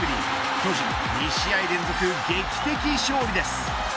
巨人２試合連続、劇的勝利です。